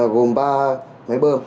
gồm ba máy bơm